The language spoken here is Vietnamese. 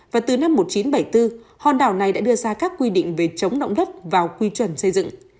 và từ năm một nghìn chín trăm bảy mươi bốn hòn đảo này đã đưa ra các quy định về chống động đất vào quy chuẩn xây dựng